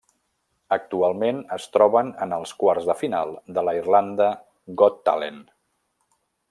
Actualment es troben en els quarts de final de la d'Irlanda Got Talent.